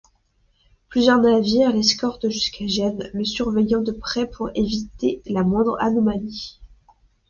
Plusieurs navires l'escortent jusqu'à Gênes, le surveillant de près pour éviter la moindre anomalie.